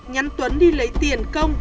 nhắn tuấn đi lấy tiền công